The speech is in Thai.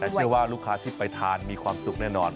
แต่เชื่อว่าลูกค้าที่ไปทานมีความสุขแน่นอน